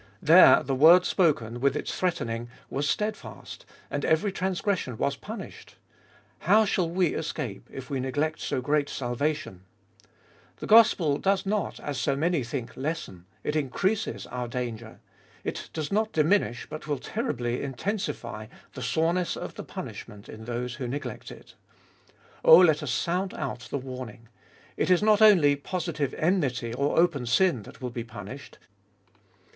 There the word spoken, with its threatening, was stedfast, and every transgression was punished. How shall we escape, if we neglect so great salvation ? The gospel does not, as so many think, lessen — it increases our danger. It does not diminish, but will terribly intensify, the soreness of the punish ment in those who neglect it. Oh, let us sound out the warn ing : it is not only positive enmity or open sin that will be punished.